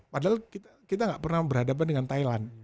padahal kita tidak pernah berhadapan dengan thailand